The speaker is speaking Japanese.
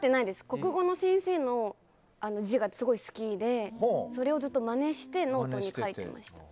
国語の先生の字がすごい好きで、それをずっとまねしてノートに書いてました。